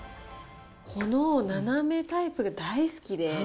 このななめタイプが大好きで。